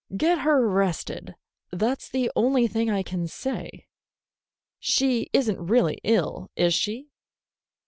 Get her rested. That's the only thing I can say. She is n't really ill, is she?"